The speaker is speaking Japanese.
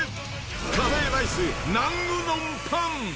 カレーライスナンうどんパン。